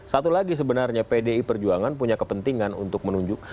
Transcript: satu lagi sebenarnya pdi perjuangan punya kepentingan untuk menunjuk